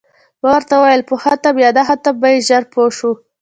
ما ورته وویل: په ختم یا نه ختم به یې ژر پوه شو.